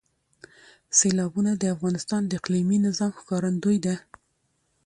سیلابونه د افغانستان د اقلیمي نظام ښکارندوی ده.